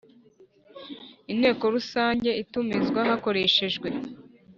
Inteko rusange itumizwa hakoreshejwe